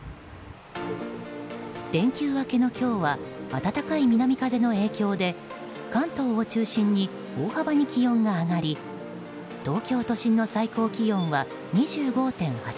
連休明けの今日は暖かい南風の影響で関東を中心に大幅に気温が上がり東京都心の最高気温は２５．８度。